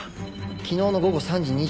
昨日の午後３時２１分。